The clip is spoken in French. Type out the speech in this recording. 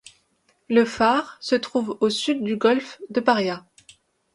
Le phare se trouve au sud du golfe de Paria.